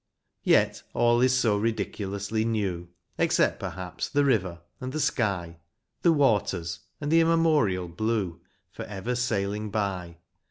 Yet all is so ridiculously new, Except, perhaps, the river and the sky. The waters and the immemorial blue Forever sailing by.